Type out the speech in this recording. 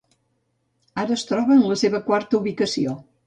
Ara es troba en la seva quarta ubicació.